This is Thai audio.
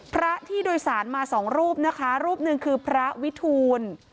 พระที่โดยสารมาสองรูปนะคะรูปหนึ่งคือพระวิทูล